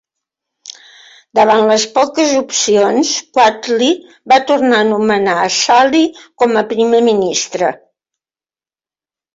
Davant les poques opcions, Quwatli va tornar a nomenar Asali com a primer ministre.